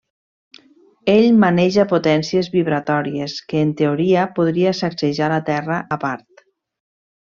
Ell maneja potències vibratòries que en teoria podria sacsejar la terra a part.